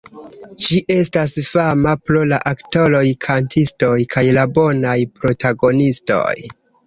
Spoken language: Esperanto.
Ĝi estas fama pro la aktoroj-kantistoj kaj la bonaj protagonistoj.